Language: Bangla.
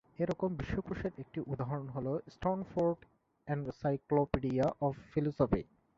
এ রকম বিশ্বকোষের একটি উদাহরণ হলো স্ট্যানফোর্ড এনসাইক্লোপিডিয়া অফ ফিলোসফি।